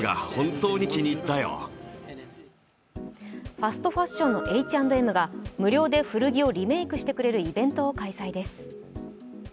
ファストファッションのＨ＆Ｍが無料で古着をリメークしてくれるイベントを開催です。